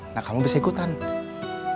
nah kamu bisa nosso ke sana aja